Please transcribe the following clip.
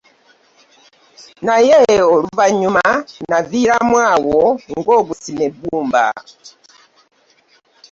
Naye Oluvannyuma naviiramu awo ng'ogusima ebbumba.